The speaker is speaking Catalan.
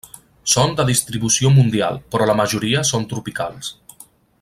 Són de distribució mundial, però la majoria són tropicals.